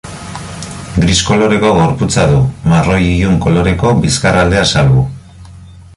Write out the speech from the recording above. Gris koloreko gorputza du, marroi ilun koloreko bizkar aldea salbu.